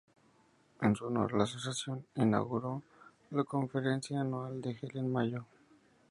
En su honor, la asociación inauguró la conferencia anual de Helen Mayo.